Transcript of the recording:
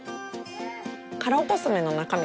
カラーコスメの中身